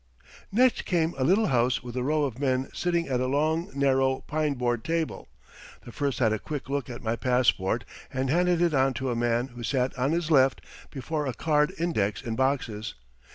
Next came a little house with a row of men sitting at a long, narrow pine board table. The first had a quick look at my passport and handed it on to a man who sat on his left before a card index in boxes.